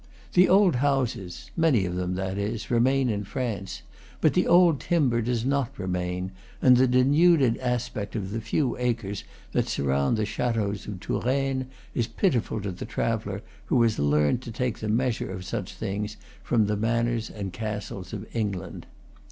The old houses (many of them, that is) remain in France; but the old timber does not remain, and the denuded aspect of the few acres that surround the chateaux of Touraine is pitiful to the traveller who has learned to take the measure of such things from the manors and castles of England.